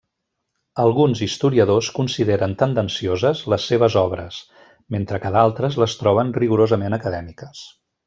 Alguns historiadors consideren tendencioses les seves obres mentre que d'altres les troben rigorosament acadèmiques.